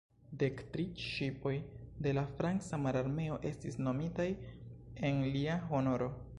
Dek tri ŝipoj de la Franca Mararmeo estis nomitaj en lia honoro.